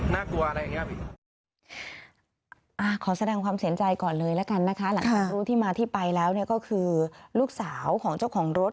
หลังจากรู้ที่มาที่ไปแล้วก็คือลูกสาวของเจ้าของรถ